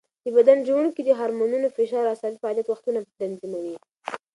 د بدن ژوڼکې د هارمونونو، فشار او عصبي فعالیت وختونه تنظیموي.